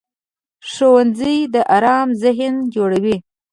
ښوونځی د ارام ذهن جوړوي